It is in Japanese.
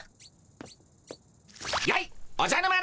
やいおじゃる丸！